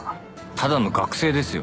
「ただの学生ですよ」